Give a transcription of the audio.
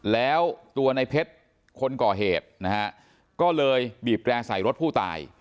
แล้วตัวในเพชรคนก่อเหตุนะฮะก็เลยบีบแร่ใส่รถผู้ตาย